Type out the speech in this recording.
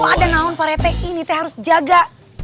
kok ada naon pak rete ini teh harus jaga